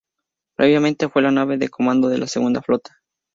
Previamente fue la nave de comando de la Segunda Flota.